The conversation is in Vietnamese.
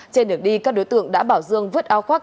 trên đường đi các đối tượng đã bảo dương vứt áo khoác